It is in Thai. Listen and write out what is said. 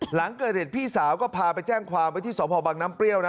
หลังเกิดเหตุพี่สาวก็พาไปแจ้งความไว้ที่สพบังน้ำเปรี้ยวนะ